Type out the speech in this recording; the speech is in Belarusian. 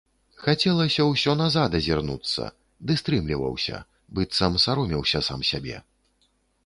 Хацелася ўсё назад азірнуцца, ды стрымліваўся, быццам саромеўся сам сябе.